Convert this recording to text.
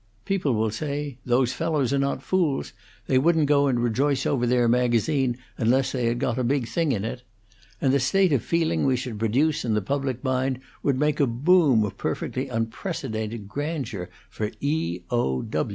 People will say: Those fellows are not fools; they wouldn't go and rejoice over their magazine unless they had got a big thing in it. And the state of feeling we should produce in the public mind would make a boom of perfectly unprecedented grandeur for E. O.